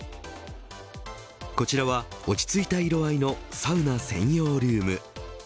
こちらは、落ち着いた色合いのサウナ専用ルーム。